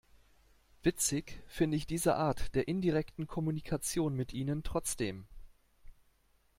Witzig finde ich diese Art der indirekten Kommunikation mit Ihnen trotzdem!